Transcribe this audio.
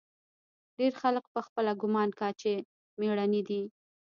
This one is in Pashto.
ډېر خلق پخپله ګومان کا چې مېړني دي.